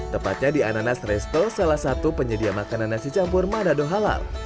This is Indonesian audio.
tepatnya di ananas resto salah satu penyedia makanan nasi campur manado halal